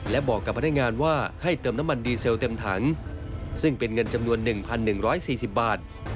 และบอกกับพนักงานว่าให้เติมน้ำมันดีเซลเต็มถังซึ่งเป็นเงินจำนวน๑๑๔๐บาท